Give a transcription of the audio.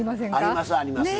ありますあります。